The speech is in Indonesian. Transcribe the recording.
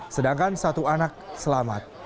sedangkan satu anak selamat